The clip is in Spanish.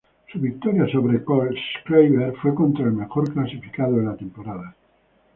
Su victoria sobre Kohlschreiber fue contra el mejor clasificado de la temporada.